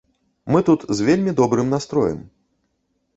Мы тут з вельмі добрым настроем.